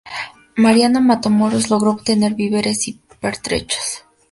Mariano Matamoros logró obtener víveres y pertrechos.